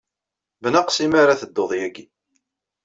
Bnaqes imi ara teddud yagi.